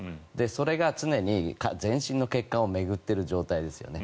それが常に全身の血管を巡っている状態ですよね。